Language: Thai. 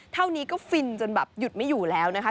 เท่านี้ก็ฟินจนแบบหยุดไม่อยู่แล้วนะคะ